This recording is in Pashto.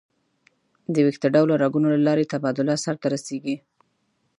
د ویښته ډوله رګونو له لارې تبادله سر ته رسېږي.